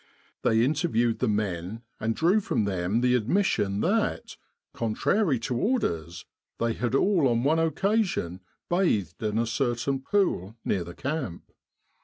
They interviewed the men, and drew from them the admission that, con trary to orders, they had all on one occasion bathed in a certain pool near the camp.